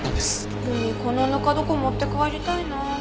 ルミこのぬか床持って帰りたいなあ。